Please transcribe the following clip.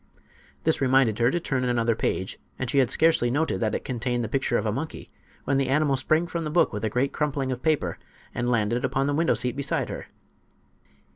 This reminded her to turn another page, and she had scarcely noted that it contained the picture of a monkey when the animal sprang from the book with a great crumpling of paper and landed upon the window seat beside her.